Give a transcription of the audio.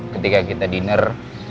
ketika kita diner